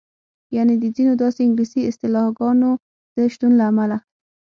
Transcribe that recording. یعنې د ځینو داسې انګلیسي اصطلاحګانو د شتون له امله.